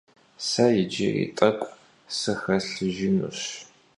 Se yicıri t'ek'u sıxelhıjjınuş.